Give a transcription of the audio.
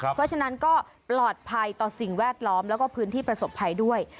เพราะฉะนั้นก็ปลอดภัยต่อสิ่งแวดล้อมแล้วก็พื้นที่ประสบภัยด้วย